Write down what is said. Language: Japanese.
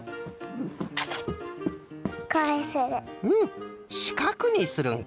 うんしかくにするんか。